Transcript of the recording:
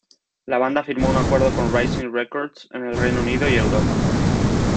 La banda firmó un acuerdo con Rising Records en el Reino Unido y Europa.